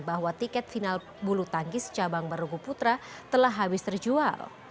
bahwa tiket final bulu tangkis cabang bergu putra telah habis terjual